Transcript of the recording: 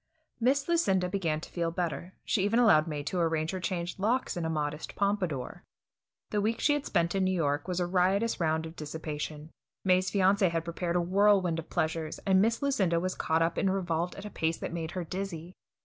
Miss Lucinda began to feel better; she even allowed May to arrange her changed locks in a modest pompadour. The week she had spent in New York was a riotous round of dissipation. May's fiancé had prepared a whirlwind of pleasures, and Miss Lucinda was caught up and revolved at a pace that made her dizzy.